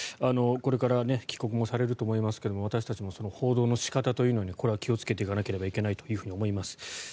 これから帰国されると思いますが私たちも報道の仕方というのにこれは気をつけていかなくてはいけないと思います。